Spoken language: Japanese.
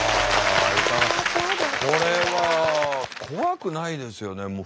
これは怖くないですよね。